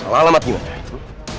salah alamat gimana